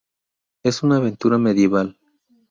Es una aventura medieval.